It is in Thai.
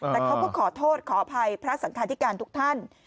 แต่เขาก็ขอโทษขออภัยพระสังคาธิการทุกท่าน